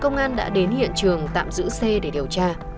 công an đã đến hiện trường tạm giữ xe để điều tra